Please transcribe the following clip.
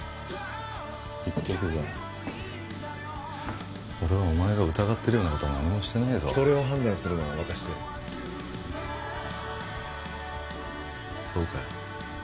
言っとくが俺はお前が疑ってるようなことは何もしてねえぞそれを判断するのは私ですそうかよ